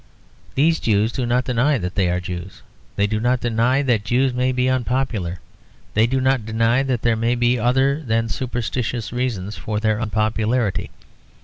These Jews do not deny that they are Jews; they do not deny that Jews may be unpopular; they do not deny that there may be other than superstitious reasons for their unpopularity.